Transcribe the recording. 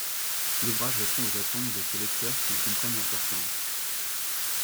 L'ouvrage répond aux attentes de ses lecteurs qui en comprennent l'importance.